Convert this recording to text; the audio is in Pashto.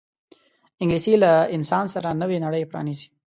انګلیسي له انسان سره نوې نړۍ پرانیزي